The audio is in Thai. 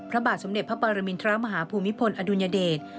พระบาทสมเด็จพระปรมินทรมาฮภูมิพลอดุลยเดช